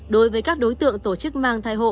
đối với các đối tượng tổ chức mang thai hộ